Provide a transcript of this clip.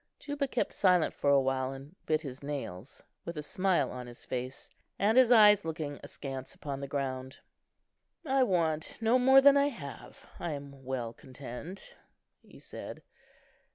Juba kept silent for awhile, and bit his nails with a smile on his face, and his eyes looking askance upon the ground. "I want no more than I have; I am well content," he said.